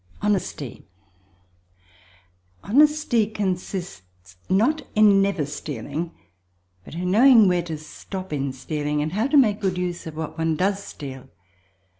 Honesty Honesty consists not in never stealing but in knowing where to stop in stealing, and how to make good use of what one does steal.